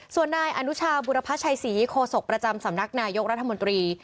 ส่วนนายอนุชาบุรพชัยศรีโคศกประจำสำนักนายกรัฐมนตรี